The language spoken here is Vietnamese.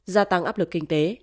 gia tăng áp lực kinh tế